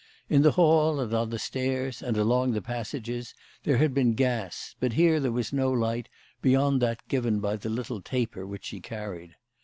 In the hall, and on the stairs, and along the passages, there had been gas, but here there was no light beyond that given by the little taper which she carried.